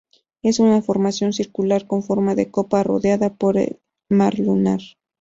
Es una formación circular, con forma de copa rodeada por el mar lunar.